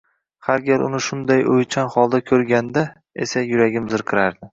Har gal uni shunday oʻychan holda koʻrganda esa yuragim zirqirardi.